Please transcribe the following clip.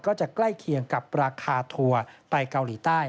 ใกล้เคียงกับราคาทัวร์ไปเกาหลีใต้